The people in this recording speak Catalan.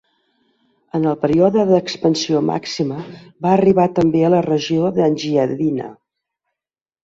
En el període d'expansió màxima va arribar també a la regió d'Engiadina.